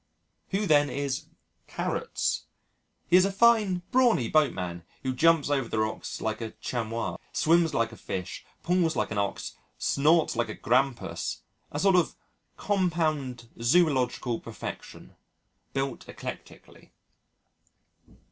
Who, then, is "Carrots"? He is a fine brawny boat man who jumps over the rocks like a Chamois, swims like a Fish, pulls like an Ox, snorts like a Grampus a sort of compound zoological perfection, built eclectically.